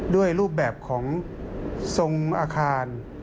รูปแบบของทรงอาคาร